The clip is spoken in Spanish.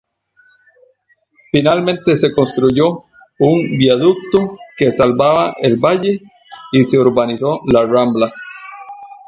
Finalmente se construyó un viaducto que salvaba el valle y se urbanizó la rambla.